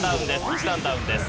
１段ダウンです。